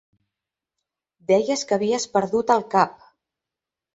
Deies que havies perdut el cap.